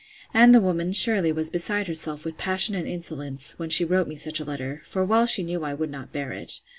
And the woman, surely, was beside herself with passion and insolence, when she wrote me such a letter; for well she knew I would not bear it.